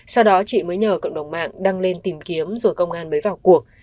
sau đó chị mới nhờ cộng đồng mạng đăng lên tìm kiếm rồi công an mới vào cuộc